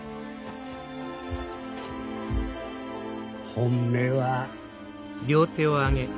本命は。